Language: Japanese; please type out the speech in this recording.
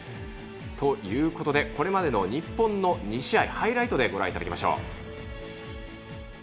ということで、これまでの日本の２試合ハイライトでご覧いただきましょう。